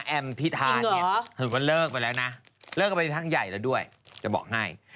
แอมพิธาเนี่ยหรือว่าเลิกไปแล้วนะเลิกไปทั้งใหญ่แล้วด้วยจะบอกให้